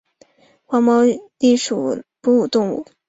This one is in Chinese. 黄毛鼹属等之数种哺乳动物。